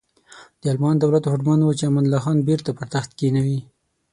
د المان دولت هوډمن و چې امان الله خان بیرته پر تخت کینوي.